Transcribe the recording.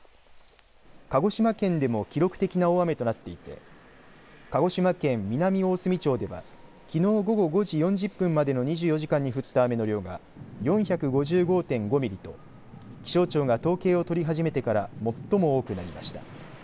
鹿児島県でも記録的な大雨となっていて鹿児島県南大隅町ではきのう午後５時４０分までの２４時間に降った雨の量が４５５．５ミリと気象庁が統計を取り始めてから最も多くなりました。